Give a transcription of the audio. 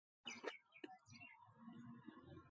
ايٚ هڪ ڪيمتيٚ وڻ اهي۔